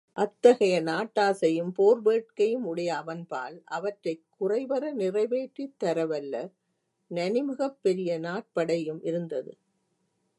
அத்தகைய நாட்டாசையும், போர் வேட்கையும் உடைய அவன்பால், அவற்றைக் குறைவற நிறைவேற்றித் தரவல்ல, நனிமிகப் பெரிய நாற்படையும் இருந்தது.